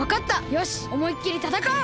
よしおもいっきりたたかおう！